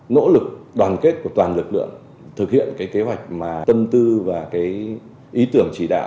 nỗ lực đoàn kết của toàn lực lượng thực hiện kế hoạch tâm tư và ý tưởng chỉ đạo